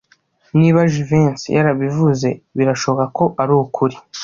Niba Jivency yarabivuze, birashoboka ko arukuri.